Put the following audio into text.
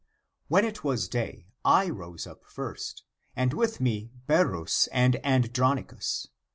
When it was day, I rose up first, and with me Berus and Andronicus.